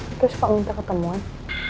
itu suka minta ketemuan